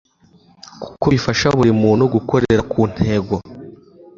kuko bifasha buri muntu gukorera ku ntego.